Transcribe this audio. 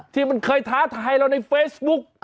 ที่มันเคยท้าทายเราในเฟซบุ๊ก